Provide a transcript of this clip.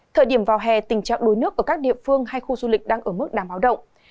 thời điểm vào hè tình trạng đuối nước ở các địa phương hay khu du lịch đang ở mức đàm báo động